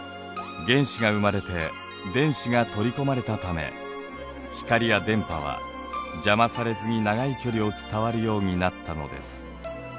原子が生まれて電子が取り込まれたため光や電波は邪魔されずに長い距離を伝わるようになったのです。